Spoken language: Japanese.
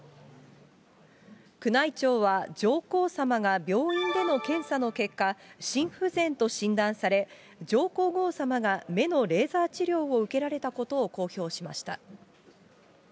宮内庁は、上皇さまが病院での検査の結果、心不全と診断され、上皇后さまが目のレーザー治療を受けられたことを公表しました。